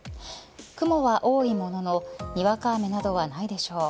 雲は多いもののにわか雨などはないでしょう。